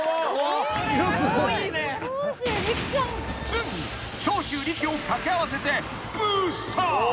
［ずんに長州力を掛け合わせてブースト］